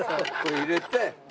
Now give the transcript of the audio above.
入れて。